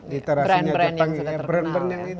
brand brand yang sudah terkenal